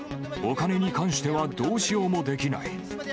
お金に関してはどうしようもできない。